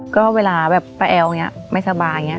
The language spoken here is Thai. ก็เวลาแบบปะแอลไม่สบายอย่างเงี้ย